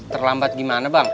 terlambat gimana bang